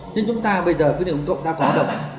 nhưng chúng ta bây giờ giao thông công cộng đã có động